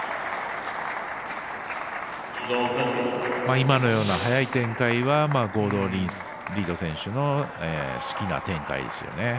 今のような早い展開はゴードン・リード選手の好きな展開ですよね。